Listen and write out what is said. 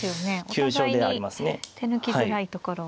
お互いに手抜きづらいところ。